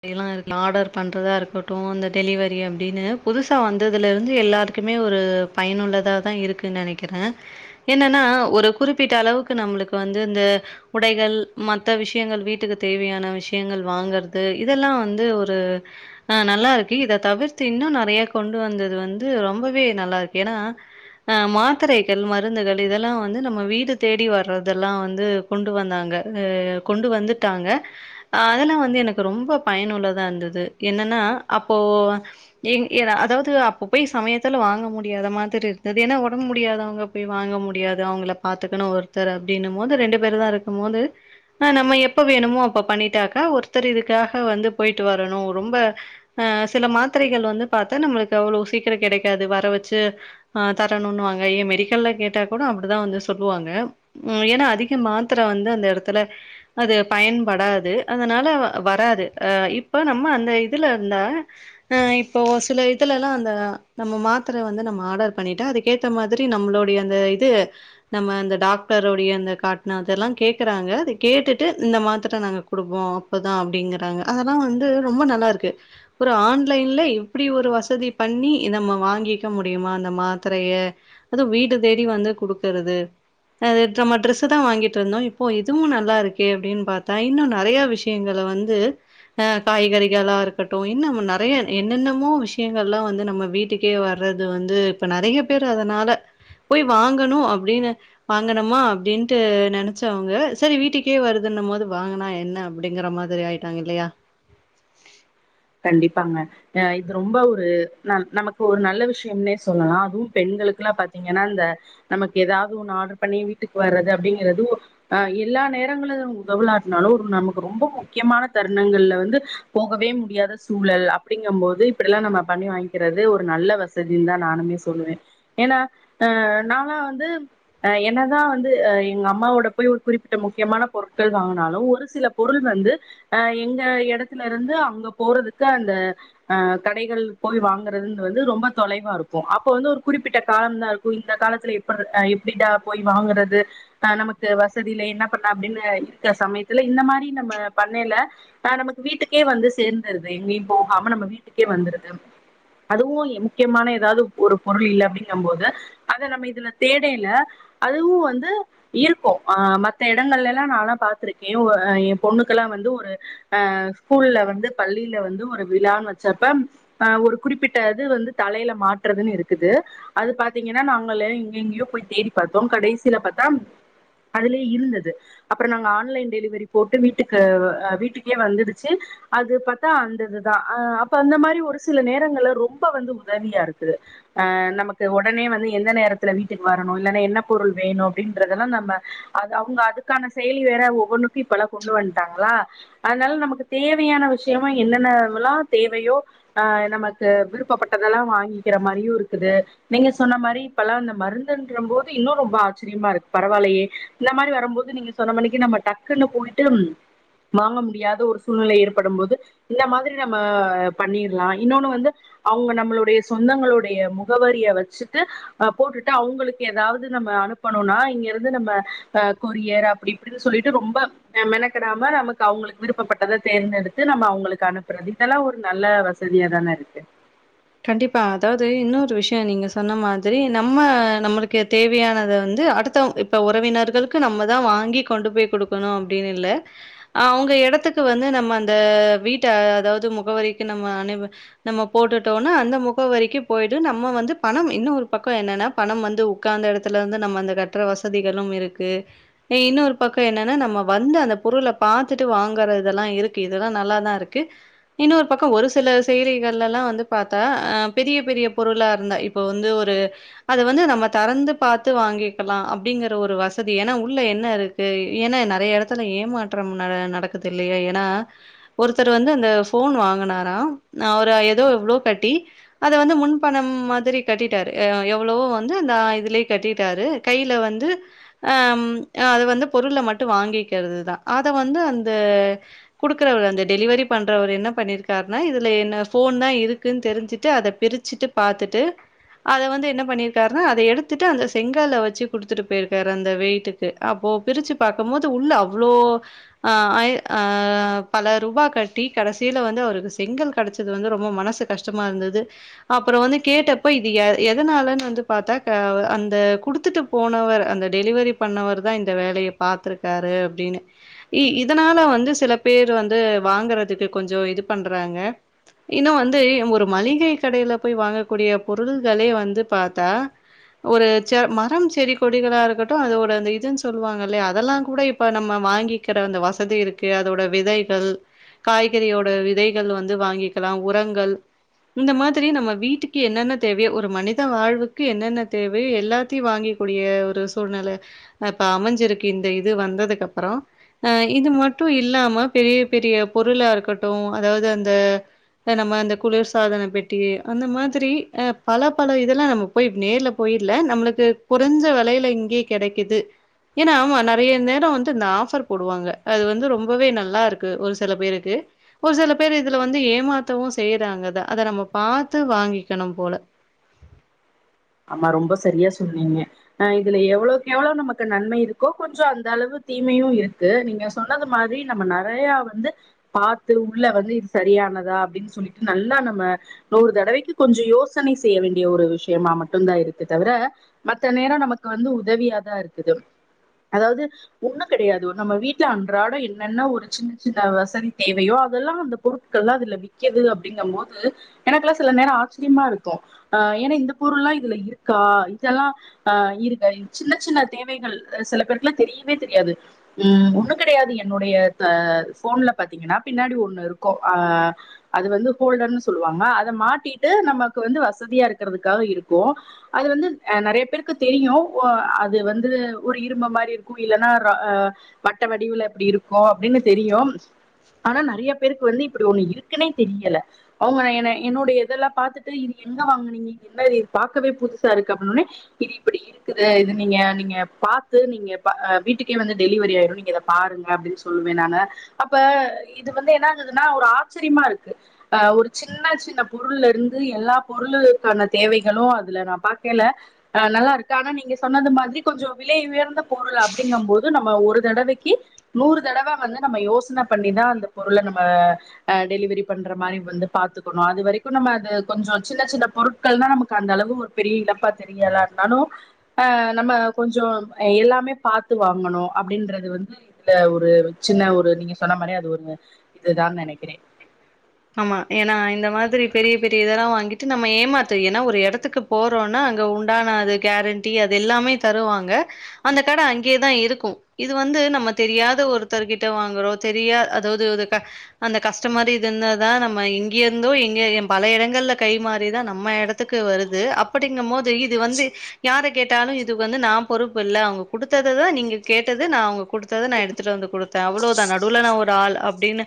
அப்டிலா இருக்கலா ஆடர் பண்றதா இருக்கட்டு அந்த டெலிவரி அப்டின்னு புதுசா வந்துல இருந்து எல்லாருக்குமே ஒரு பயனுள்ளதாதா இருக்குன் நெனைக்கிற என்னன்னா ஒரு குறிப்பிட்ட அளவுக்கு நம்மளுக்கு வந்து இந்த உடைகள் மத்த விஷயங்கள் வீட்டுக்கு தேவையான விஷ்யங்கள் வாங்கறது இது இதெல்லா வந்து ஒரு ஆ நல்லா இருக்கு இத தவிர்த்து இன்னு நறைய கொண்டு வந்தது வந்து ரொம்பவே நல்லா இருக்கு ஏன்னா அ மாத்திரைகள் மருந்துகள் இதெல்லா வந்து நம்ம வீடு தேடி வர்றதெல்லா வந்து கொண்டு வந்தாங்க அ கொண்டு வந்துட்டாங்க அதெல்லா வந்து எனக் ரொம்ப பயனுள்ளதா இருந்தது என்னன்னா அப்போ எங் எதாவ் அதாவது அப்ப போய் சமயத்துல வாங்க முடியாத மாதிரி இருந்தது ஏன்னா ஒடம்பு முடியாதவங்க போய் வாங்க முடியாது அவங்கள பாத்துக்கணு ஒருத்தர் அப்டின்னும் போது ரெண்டு பேருதா இருக்கும் போது அ நம்ம எப்ப வேணுமோ அப்ப பண்ணிட்டாக்கா ஒரு ஒருத்தர் இதுக்காக வந்து போயிட்டு வரணு ரொம்ப அ சில மாத்திரைகள் வந்து பாத்தா நம்மளுக்கு அவ்வளோ சீக்கிரோ கெடைக்காது வர வெச்சு ஆ தரணுன்னுவாங்க ஏ மெடிக்கல்ல கேட்டா கூட அப்டிதா வந்து சொல்லுவாங்க ம் ஏன்னா அதிக மாத்துர வந்து அந்த எடத்துல அது பயன்படாது அதனால வராது அஹ இப்ப நம்ம அந்த இதுல இருந்தா அ இப்போ சில இதுல எல்லா அந்த நம்ம மாத்துர வந்து நம்ம ஆடர் பண்ணிட்டா அதுக்கேத்த மாதிரி நம்மளுடைய அந்த இது நம்ம அந்த டாக்டருடைய அந்த காட்டுனா அதெல்லா கேக்குறாங்க அது கேட்டுட்டு இந்த மாத்துர நாங்க குடுப்போ இப்பதா அப்டிங்கிறாங்க அதெல்லா வந்து ரொம்ப நல்லா இருக்கு ஒரு ஆன்லைன்ல எப்டி ஒரு வசதி பண்ணி நம்ம வாங்கிக்க முடியுமா அந்த மாத்துரைய அதுவு வீடு தேடி வந்து குடுக்கறது அது நம்ம டிரெஸ்ஸுதா வாங்கிட்டு இருந்தோ இப்போ இதுவு நல்லா இருக்கே அப்டின் பாத்தா இன்னு நறையா விஷ் எங்கள வந்து ஆ காய்கறிகளா இருக்கட்டு இன்னும் நறையா என்னென்னமோ விஷ்யங்கள் எல்லா வந்து நம்ம வீட்டுக்கே வரது வந்து இப்ப நறைய பேரு அதனால போய் வாங்கணு அப்டின்னு வாங்கனமா அப்டின்ட்டு நெனச்சவங்க சேரி வீட்டுக்கே வருதுன்னம் போது வாங்குனா என்ன அப் அப்டிங்கற மாதிரி ஆயிட்டாங்க இல்லையா கண்டிப்பாங்க அஹ இது ரொம்ப ஒரு நா நமக்கு ஒரு நல்ல விஷ்யம்னே சொல்லலா அதுவு பெண்களுக்கு எல்லா பாத்தீங்கன்னா இந்த நமக்கு எதாவது ஒண்ணு ஆடர் பண்ணி வீட்டுக்கு வர்றது அப்டிங்கிறது அ எல்லா நேரங்கள உதவலாட்டினாலும் நமக்கு ரொம்போ முக்கியமான தருணங்கள்ல வந்து போகவே முடியாது சூழல் அப்டிங்கும் போது இப்டி எல்லா நம்ம பண்ணி வாங்கிக்கிறது ஒரு நல்ல வசதிதா நானுமே சொல்லுவே ஏன்னா அ நானாலா வந்து என்னதா வந்து எங்க அம்மாவோட போய் ஒரு குறிப்பிட்ட முக்கியமான பொருட்கள் வாங்குனாலு ஒரு சில பொருள் வந்து அ எங்க எடத்துல இருந்து அங்கப் போறதுக்கு அந்த அஹ கடைகள் போய் வாங்குறதுன்றது வந்து ரொம்ப தொலைவா இருக்கு அப்போ வந்து ஒரு குறிப்பிட்ட காலம் தா இருக்கு இந்த காலத்துல எப்ப எப்படிடா போய் வாங்குறது அஹ நமக்கு வசதியில்ல என்ன பண்ண அப்டின்னு இருக்க சமயத்துல இந்த மாரி நம்ம பண்ணில ஆ நமக்கு வீட்டுக்கே வந்து சேந் இருக்குறது எங்கயும் போகாம நம்ம வீட்டுக்கே வந்துருது அதுவு முக்கியமான எதாவது ஒரு பொருள் இல்ல அப்டிங்கும் போது அத நம்ம இதுல தேடைல அதுவு வந்து இருக்கு ஆ மத்த எடங்கள்ல எல்லா நல்லா பாத்துருக்கே ஒ எ பொண்ணுக்கெல்லா வந்து ஒரு அ ஸ்கூல்ல வந்து பள்ளில வந்து ஒரு விழான் வெச்சப்ப அ ஒரு குறிப்பிட்ட இது வந்து தலையில மாட்டுறதுன்னு இருக்குது அது பாத்தீங்கன்னா நாங்களே எங்கெங்கயோ போய் தேடி பாத்தோ கடைசியில பாத்தா அதுலயே இருந்தது அப்புறோ நாங்க ஆன்லைன் டெலிவரி போட்டு வீட்டுக்கு வீட்டுக்கே வந்துடுச்சு அது பாத்தா அந்த இதுதா அ அப்ப அந்த மாரி ஒரு சில நேரங்கள்ல ரொம்ப வந்து உதவியா இருக்குது அ நமக்கு ஒடனே வந்து எந்த நேரத்துல வீட்டுக்கு வரணு இல்லன்னா என்ன பொருள் வேணு அப்டின்றதெல்லா நம்ம அது அவங்க அதுக்கான செயலி வேற ஒவ்வொன்னுக்கு இப்பல்லா கொண்டு வந்துட்டாங்களா அதனால நமக்கு தேவையான விஷ் முக்கியமா என்னென்னவல்லா தேவையோ ஆ நமக்கு விருப் விருப்பப்பட்டதெல்லா வாங்கிக்கிற மாரியு இருக்குது நீங்க சொன்ன மாரி இப்பெல்லா இந்த மருந்துன்ற போது இன்னு ரொம்போ ஆச்சிரியமா இருக்கு பரவால்லையே இந்த மாரி வரும்போது நீங்க சொன்ன மாரிக்கு நம்ம டக்குன்னு போயிட்டு வாங்க முடியாத ஒரு சூழ்நிலை ஏற்படும் போது இந்த மாதிரி நம்ம பண்ணிடலா இன்னொன்னு வந்து அவங்க நம்மளுடைய சொந்தங்களுடைய முகவரிய வெச்சுட்டு அ போட்டுட்டு அவங்களுக்கு எதாவது நம்ம அனுப்பணுன்னா இங்க இருந்து நம்ம அ கொரியர் அப்புடி இப்புடின்னு சொல்லிட்டு ரொம்ப மெனக்கடா நமக்கு அவங்களுக்கு விருப்பப்பட்டதைன தேர்ந்தெடுத் து நம்ம அவங்களுக்கு அனுப்புறது இதெல்லா ஒரு நல்ல வசதியா தான இருக்கு கண்டிப்பா அதாவது இன்னொரு விஷ்யோ நீங்க சொன்ன மாதிரி நம்ம நம்மளுக்கு தேவையானத வந்து அடுத்த இப்ப உறவினர்களுக்கு நம்மதா வாங்கி கொண்டு போய் குடுக்கணு அப்டின்னு இல்ல அவங்க எடத்துக்கு வந்து நம்ம அந்த வீட்டு அதாவது முகவரிக்கு நம்ம அனுப்பி நம்ம போட்டுட் டோனா அந்த முகவரிக்கு போயிட்டு நம்ம வந்து பணம் இன்னொரு பக்கோ என்னன்னா பணம் வந்து உக்காந்த எடத்துல இருந்து நம்ம அந்த கட்டுற வசதிகளும் இருக்கு இன்னொரு பக்கோ என்னன்னா நம்ம வந்து அந்த பொருள பாத்துட்டு வாங்கறதெல்லா இருக்கு இதெல்லா நல்லாதா இருக்கு இன்னொரு பக்கோ ஒரு சில செய்திகள்ல எல்லா வந்து பாத்தா அ பெரிய பெரிய பொருளா இருந்தா இப்போ வந்து ஒரு அது வந்து நம்ம தெறந்து பாத்து வாங்கிக்கலா அப்டிங்கற ஒரு வசதி ஏன்னா உள்ள என்ன இருக்கு ஏன்னா நறையா எடத்துல ஏமாற்றம் ந நடக்குது இல்லையா ஏன்னா ஒருத்தர் வந்து அந்த ஃபோன் வாங்கனாரா அவர் ஏதோ எவ்ளோ கட்டி அத வந்து முன் பணம் மாதிரி கட்டிட்டாரு எவ்ளவோ வந்து அந்த இதுலயே கட்டிட்டாரு கைல வந்து ஆம் அது வந்து பொருள மட்டு வாங்கிக்கிறது தா அத வந்து அந்த குடுக்கற அந்த டெலிவரி பண்றவரு என்ன பண்ணிருக்கார்னா இதுல என்ன ஃபோன்தா இருக் தெரிச்சுட்டு அத பிரிச்சுட்டு பாத்துட்டு அத வந்து என்ன பண்ணிருக்காருன்னா அத எடுத்துட்டு அந்த செங்கல வெச்சு குடுத்துட்டு போயிருக்காரு அந்த வெயிட்டுக்கு அப்போ பிருச்சு பாக்கும்போது உள்ள அவ்ளோ ஆ ஐ ஆ பல ரூபா கட்டி கடைசில வந்து அவருக்கு செங்கல் கெடச்சுது வந்து ரொம்ப மனசுக் கஷ்டமா இருந்தது அப்புறோ வந்து கேட்டப்ப இதிய எதனாலன் வந்து பாத்தா அந்த குடுத்துட்டு போனவர் அந்த டெலிவரி பண்ணவர் தா இந்த வேலைய பாத்துருக்காரு அப்டின்னு இ இதனால வந்து சில பேர் வந்து வாங்கறதுக்கு கொஞ்சோ இது பண்றாங்க இன்னு வந் ந்து ஒரு மளிகை கடைல போய் வாங்கக்கூடிய பொருள்களே வந்து பாத்தா ஒரு மரம் செடி கொடிகளா இருக்கட்டு அதோட இதுன் சொல்லுவாங்க இல்லையா அதெல்லாங் கூட இப்ப நம்ம வாங்கிக்கிற அந்த வசதி இருக்கு அதோட விதைகள் காய்கறியோட விதைகள் வந்து வாங்கிக்கலா உரங் கள் இந்த மாதிரி நம்ம வீட்டுக்கு என்னென்ன தேவையோ ஒரு மனித வாழ்வுக்கு என்னென்ன தேவை எல்லாத்தையு வாங்கிக் கூடிய ஒரு சூழ்நெல இப்ப அமைஞ்சிருக்கு இந்த இது வந்ததுக்கு அப்பறோ அ இது மட்டு இல்லாம பெரிய பெரிய பொருளா இருக்கட்டு அதாவது அந்த நம்ம அந் இந்த குளிர் சாதன பெட்டி அந்த மாதிரி அ பல பல இதெல்லா நம்ம போய் நேர்ல போயில நம்மளுக்கு கொறஞ்ச வெலையில இங்கயே கெடைக்குது ஏன்னா ஆமா நறைய நேரோ வந்து இந்த ஆஃப்ர் போடுவாங்க அது வந்து ரொம்பவே நல்லா இருக்கு ஒரு சில பேருக்கு ஒரு சில பேர் இதுல வந்து ஏமாத்தவுஸ் செய்றாங்க அத அத நம்ம பாத்து வாங்கிக்கணும் போல ஆமா ரொம்ப செரியா சொன்னீங்க அ இதுல எவ்வளோக்கு எவ்வளோ நமக்கு நன்மை இருக்கோ கொஞ்சோ அந்த அளவு தீமையு இருக்கு நீங்க சொன்னது மாரி நம்ம நறையா வந்து பாத்து உள்ள வந்து இது சரியானதா அப்டின் சொல்லிட்டு நல்லா நம்ம ஒரு தடவைக்கு கொஞ்சோ யோசனை செய்ய வேண்டிய ஒரு விஷ்யமா மட் மட்டுந்தா இருக்கு தவுர மத்த நேரோ நமக்கு வந்து உதவியாதா இருக்குது அதாவது ஒண்ணுங் கெடையாது நம்ம வீட்ல அன்றாட என்னென்ன ஒரு சின்ன சின்ன வசதி தேவையோ அதெல்லா அந்த பொருட்கள் எல்லா அதுல விக்குது அப்டிங்கம் போது எனக்கெல்லா சில நேரோ ஆச்சிரியமா இருக்கு அ ஏன்னா இந்த பொருள்ல்லா இதுல இருக்கா இதெல்லாம் ஆ இருக்க சின்ன சின்ன தேவைகள் சில பேருக்குல தெரியவே தெரியாது ம் ஒண்ணும் கிடையாது என்னுடைய த போன்ல பாத்தீங்கன்னா பின்னாடி ஒண்ணு இருக்கும் ஆ அது வந்து ஹோல்டர்னு சொல்லுவாங்க அத மாட்டிட்டு நமக்கு வந்து வசதியா இருக்கிறதுக்காக இருக் கோ அது வந்து ஆ நெறையா பேருக்கு தெரியும் ஓ அது வந்து ஒரு இரும்ப மாரி இருக்கும் இல்லன்னா ஆ வட்ட வடிவுல எப்டி இருக்கும் அப்படின்னு தெரியும். ஆனா நறையா பேருக்கு வந்து இப்படி ஒண்ணு இருக்குனே தெரியல அவுங்க என்ன என்னோடைய இதெல்லாம் பாத்துட்டு இது எங்க வாங்கனீங்க என்னது இது பாக்கவே புதுசா இருக்கு அப்படின்ன ஒன்னே இது இப்படி இருக்குது இது நீங்க நீங்க பாத்து நீங்க ப வீட்டுக்கே வந்து டெலிவரி ஆயிரும் நீங்க இத பாருங்க அப்டின் சொல்லுவேன் நானு அப்ப இது வந்து என்ன ஆகுதுன்னா ஒரு ஆச்சரியமா இருக்கு ஆ ஒரு சின்ன சின்ன பொருள் இருந்து எல்லா பொருளுக்கான தேவை. கும் அதுல நான் பாக்கைல ஆ நல்லா இருக்கு ஆனா நீங்க சொன்னது மாதிரி கொஞ்சம் விலை உயர்ந்த பொருள் அப்படிங்கபோது நம்ம ஒரு தடவைக்கு நூறு தடவ வந்து நம்ம யோசன பண்ணிதா அந்த பொருளை நம்ம ஆ டெலிவரி பண்ற மாரி வந்து பாத்துக்கணும் அது வரைக்கும் நம்ம அது கொஞ்சம் சின்ன சின்ன பொருட்கள் தான் நமக் கா அந்த அளவு ஒரு பெரிய இழப்பா தெரியலனாலு ஆ நம்ம கொஞ்சோ எல்லாமே பாத்து வாங்கணு அப்படின்றது வந்து இதுல ஒரு சின்ன ஒரு நீங்க சொன்ன மாரியே அது ஒரு இதுதான் நெனைக்கிறேன் ஆமா ஏன்னா இந்த மாதிரி பெரிய பெரிய இதெல்லா வாங்கிட்டு நம்ம ஏமாத்து ஏன்னா ஒரு எடத்துக்கு போறோம்னா அங்க உண்டான அது கேரண்டி அது எல்லாமே தருவாங்க அந்த கட அங்கேதான் இருக்கும் இது வந்து நம்ம தெரியாத ஒருத்தர்கிட்ட வாங்கறோ தெரியா அதாவது ஒரு க அந்த கஷ்ட மாரி இங்க இருந்தாதா நம்ம இங்க இருந்தோ எங்கே என் பல இடங்கள்ல கைமாறிதா நம்ம எடத்துக்கு வருது அப்படிங்க மோது இது வந்து யார கேட்டாலு இதுக்கு வந்து நா பொறுப்பு இல்ல அவுங்க குடுத்ததா நீங்க கேட்டது நா அவுங்க குடுத்தத நா எடுத்துட்டு வந்து குடுத்தே அவ்ளோதா நடுவுல நா ஒரு ஆள் அப்டின்னு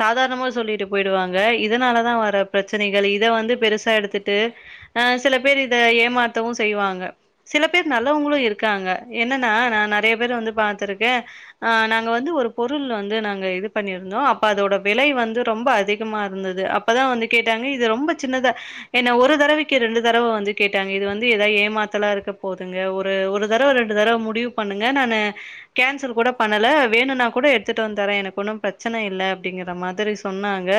சாதாரணமா சொல்லி ட்டு போயிடுவாங்க இதனாலதா வர பிரச்சனைகள் இத வந்து பெருசா எடுத்துட்டு ஆ சில பேரு இத ஏமாத்தவு செய்வாங்க சில பேர் நல்லவங்களும் இருக்காங்க என்னன்னா நான் நறையா பேர வந்து பாத்திருக்கே ஆ நாங்க வந்து ஒரு பொருள் வந்து நாங்க இது பண்ணிருந்தோ அப்ப அதோட விலை வந்து ரொம்ப அதிகமா இருந்தது அப்பதா வந்து கேட்டாங்க இது ரொம்ப சின்னதா என்ன ஒரு தடவைக்கு ரெண்டு தடவ வந்து கேட்டாங்க இது வந்து எதா ஏமாத்தலா இருக்க போதுங்க ஒரு ஒரு தடவ ரெண்டு தடவ முடிவு பண்ணுங்க நானு கேன்சல் கூட பண்ணல வேணுன்னா கூட எடுத்துட்டு வந்து தற எனக்கு ஒன்னு பிரச்சனை இல்ல அப்படிங்கிற மாதிரி சொன்னாங்க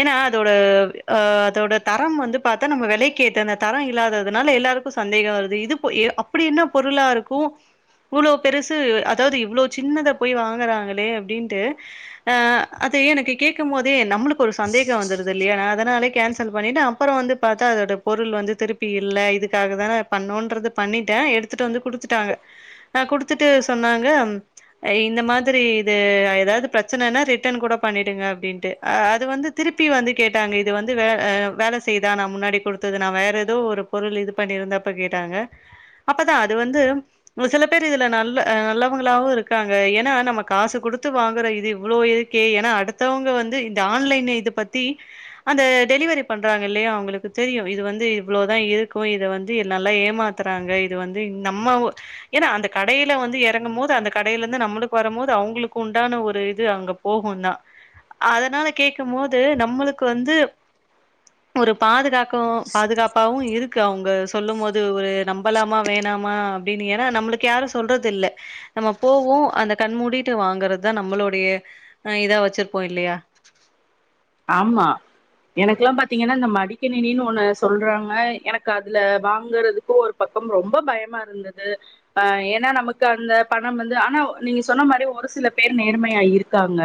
ஏன்னா அதோட ஆ அதோட தரம் வந்து பாத்தா நம்ம விலைக்கேத்த அந்த தரம் இல்லாததுனால எல்லாருக்கு சந்தேக வருது இது போயி அப்படி என்ன பொருளா இருக்கும் இவ்ளோ பெருசு அதாவது இவ்ளோ சின்னத போய் வாங்கறாங்களே அப்டின்ட்டு ஆ அதே எனக்கு கேக் க்க போதே நம்மளுக்கு ஒரு சந்தேக வந்துருது இல்லையா நா அதனாலே கேன்சல் பண்ணிட்டேன் அப்புற வந்து பாத்தா அதோட பொருள் வந்து திருப்பி இல்ல இதுக்காக தான பண்ணோன்றது பண்ணிட்டேன் எடுத்துட்டு வந்து குடுத்துட்டாங்க ஆ குடுத்துட்டு சொன்னாங்க இந்த மாதிரி இது எதாவது பிரச்சனனா ரிட்டன் கூட பண்ணிடுங்க டின்ட்டு ஆ அது வந்து திருப்பி வந்து கேட்டாங்க இது வந்து வே வேலை செய்தா நான் முன்னாடி கொடுத்தது நான் வேற எதோ ஒரு பொருள் இது பண்ணி இருந்தப்ப கேட்டாங்க அப்பதான் அது வந்து ஒ சில பேர் இதுல நல்ல நல்லவங்களாவும் இருக்காங்க ஏன்னா நம்ம காசு கொடுத்து வாங்கற இது இவ்ளோ இருக்கே ஏன்னா அடுத் த்தவங்க வந்து இந்த ஆன்லைன் இத பத்தி அந்த டெலிவரி பண்றாங்க இல்லையா அவுங்களுக்கு தெரியும் இது வந்து இவ்ளோதான் இருக்கும் இத வந்து நல்லா ஏமாத்தறாங்க இது வந்து நம்ம ஒ ஏன்னா அந்த கடையில வந்து எறங்க மோது அந்த கடையில இருந்து நம்மளுக்கு வரம்மோது அவுங்களுக்கு உண்டான ஒரு இது அங்க போகும்தா அதனால கேக்க மோது நம்மளுக்கு வந்து ஒரு பாதுகாக் கும் பாதுகாப்பாவு இருக் க அவுங்க சொல்லும் மோது ஒரு நம்பலாமா வேணாமா டே நீ ஏன்னா நம்மளுக்கு யாரு சொல்றது இல்ல நம்ம போவு அந்த கண் மூடிட்டு வாங்குறதா நம்மளுடைய ஆ இத வச் வச்சிருப்போ இல்லையா ஆமா எனக்குல்லா பாத்தீங்கன்னா இந்த மடிக்கணினின்னு ஒண்ணு சொல்றாங்க எனக்கு அதுல வாங்கறதுக்கு ஒரு பக்கம் ரொம்ப பயமா இருந்தது ஆ ஏன்னா நமக்கு அந்த பணம் வந்து ஆனா நீங்க சொன்ன மாரி ஒரு சில பேர் நேர்மையா இருக்காங்க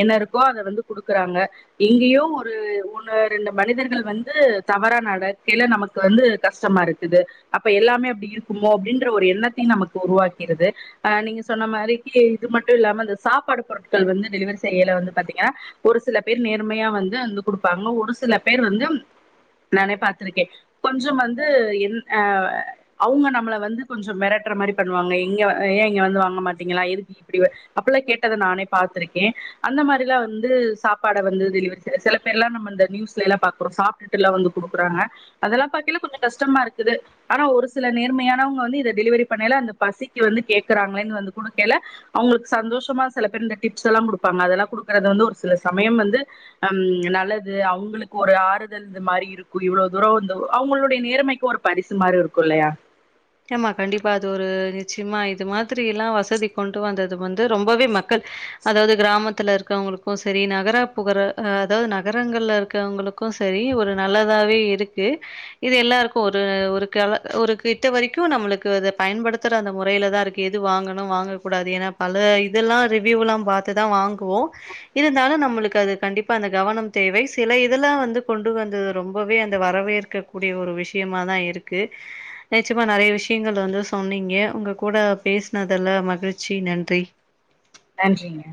என்ன இருக்கோ அத வந்து குடுக்கறாங்க எங்கேயோ ஒரு ஒன்னு ரெண்டு மனிதர்கள் வந்து தவறா நடக்கைல நமக்கு வந்து கஷ்டமா இருக்குது அப்ப எல்லாமே அப்டி இருக்குமோ அப்படின்ற ஒரு எண்ணத்தையும் நமக்கு உருவாக்கிறது ஆ நீங்க சொன்ன மாரிக்கு இது மட்டும் இல்லாம அந்த சாப்பாடு பொருட்கள் வந்து டெலிவரி செய்யல வந்து பாத்தீங்கன்னா ஒரு சில பேர் நேர்மையா வந்து வந்து கொடுப்பாங்க ஒரு சில பேர் வந்து நானே பாத்துருக்கேன் கொஞ்சோ வந்து என் ஆ அவுங்க நம்மள வந்து கொஞ்சம் மெரட்டற மாரி பண்ணுவாங்க இங்க ஏ இங்க வந்து வாங்க மாட்டீங்களா எதுக்கு இப்படி வ அப்பல்லா கேட்டத நானே பாத்திருக்கேன் அந்த மாரிலாம் வந்து சாப் பாட வந்து டெலிவரி செ சில பேர்லா நம்ம அந்த நியூஸ்ல எல்லா பாக்கறோ சாப்ட்டுட்டுலா வந்து குடுக்கறாங்க அதெல்லாம் பாத்தீனா கொஞ்சம் கஷ்டமா இருக்குது ஆனா ஒரு சில நேர்மையானவங்க வந்து இத டெலிவரி பண்ணைல அந்த பசிக்கு வந்து கேக்குறாங்களேன்னு வந்து குடுக்கைல அவுங்களுக்கு சந்தோஷமா சில பேர் இந்த டிப்ஸ் எல்லா கொடுப்பாங்க அதெல்லாம் குடுக்கறது வந்து ஒரு சில சமயம் வந்து ஹம் நல்லது அவுங்களுக்கு ஒரு ஆறுதல் இன்ற மாரி இருக்கும் இவ்ளோ தூர வந்து அவங்களுடைய நேர்மைக்கு ஒரு பரிசு மாரி இருக்கும் இல்லையா கெமா கண்டிப்பா அது ஒரு சும்மா இது மாதிரில்லா வசதி கொண்டு வந்தது வந்து ரொம்பவே மக்கள் அதாவது கிராமத்துல இருக்கவங்களுக்கும் சரி நகர புகர ஆ அதாவது நகரங்கள்ல இருக்கவங்களுக்கும் சரி ஒரு நல்லதாவே இருக்கு இது எல்லாருக்கு ஒரு ஒரு கல ஒரு இத்த வரைக்கும் நம்மளுக்கு அத பயன்படுத்துற அந்த முறையிலதா இருக்கு எது வாங்கணு வாங்க கூடாது ஏன்னா பல இதெல்லா‌ ரிவ்யூலாம் பாத்துதான் வாங்குவோம் இருந்தாலு நம்மளுக்கு அது கண்டிப்பா அந்த கவனம் தேவை சில இதெல்லாம் வந்து கொண்டு வந்தது ரொம்பவே அந்த வரவேற்கக்கூடிய ஒரு விஷியமாதான் இருக்கு நிச்சயமா நறையா விஷியங்கள் வந்து சொன்னீங்க உங்க கூட பேசனதெல்ல மகிழ்ச்சி நன்றி நன்றிங்க